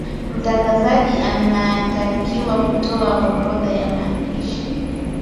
mtangazaji anatakiwa kutoa orodha ya maandishi